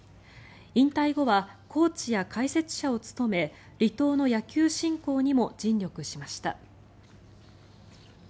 引退後はコーチや解説者を務め離島の野球振興にも尽力しました。